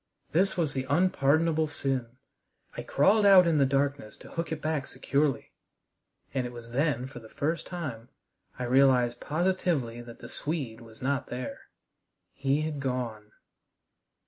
This was the unpardonable sin. I crawled out in the darkness to hook it back securely, and it was then for the first time I realized positively that the Swede was not there. He had gone.